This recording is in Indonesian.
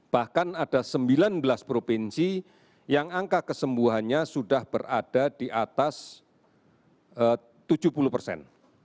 bahkan ada sembilan belas provinsi yang angka kesembuhannya sudah berada di atas tujuh puluh persen